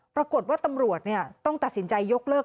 ปรากฏว่าตำรวจต้องตัดสินใจยกเลิก